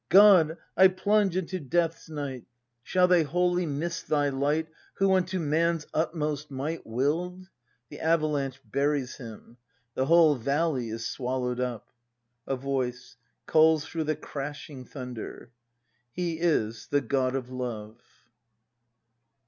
] God, I plunge into death's night, — Shall they wholly miss thy Light Who unto man's utmost might Will'd— ? [The avalanche buries him; the whole valley is swallowed up. A Voice. [Calls through the crashing thunder.] He is the God of Love.